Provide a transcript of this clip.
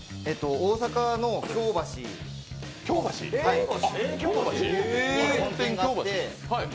大阪の京橋に本店があって。